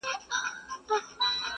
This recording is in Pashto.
دا کيسه درس ورکوي ډېر،